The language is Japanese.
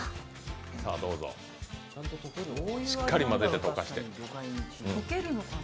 しっかり混ぜて溶かして。